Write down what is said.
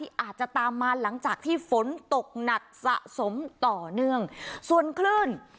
อาจจะตามมาหลังจากที่ฝนตกหนักสะสมต่อเนื่องส่วนคลื่น